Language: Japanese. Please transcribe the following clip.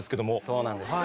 そうなんです。